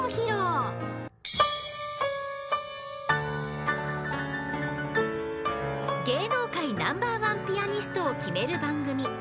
［芸能界ナンバーワンピアニストを決める番組］